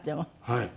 はい。